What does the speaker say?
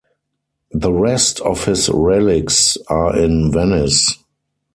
The rest of his relics are in Venice.